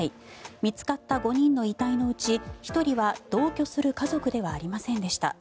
見つかった５人の遺体のうち１人は同居する家族ではありませんでした。